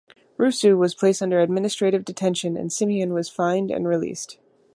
Rusu was placed under administrative detention and Simion was fined and released.